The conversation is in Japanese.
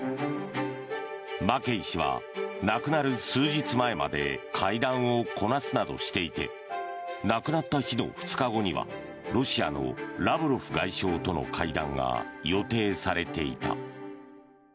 マケイ氏は亡くなる数日前まで会談をこなすなどしていて亡くなった日の２日後にはロシアのラブロフ外相との会談が予定されていた。